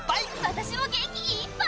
私も元気いっぱい！